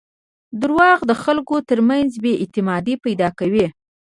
• دروغ د خلکو ترمنځ بېاعتمادي پیدا کوي.